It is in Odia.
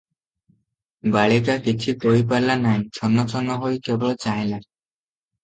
ବାଳିକା କିଛି କହିପାରିଲା ନାହିଁ- ଛନ ଛନ ହୋଇ କେବଳ ଚାହିଁଲା ।